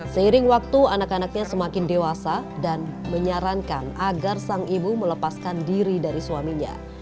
seiring waktu anak anaknya semakin dewasa dan menyarankan agar sang ibu melepaskan diri dari suaminya